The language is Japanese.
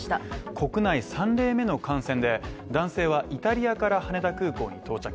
国内３例目の感染で、男性はイタリアから羽田空港に到着。